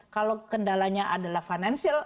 kalau kendalanya adalah financial